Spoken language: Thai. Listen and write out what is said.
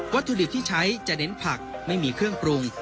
ถุดิบที่ใช้จะเน้นผักไม่มีเครื่องปรุง